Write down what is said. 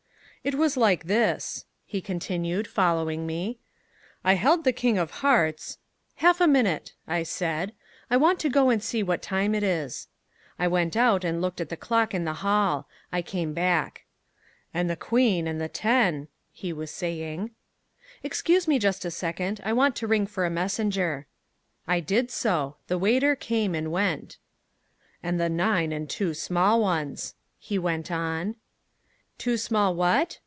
"It was like this," he continued, following me: "I held the king of hearts " "Half a minute," I said; "I want to go and see what time it is." I went out and looked at the clock in the hall. I came back. "And the queen and the ten " he was saying. "Excuse me just a second; I want to ring for a messenger." I did so. The waiter came and went. "And the nine and two small ones," he went on. "Two small what?"